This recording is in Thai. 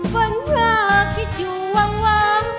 วันพระคิดอยู่วังวัง